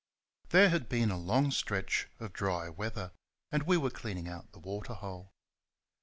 There had been a long stretch of dry weather, and we were cleaning out the waterhole.